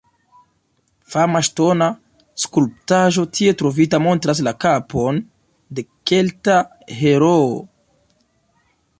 Fama ŝtona skulptaĵo tie trovita montras la kapon de kelta heroo.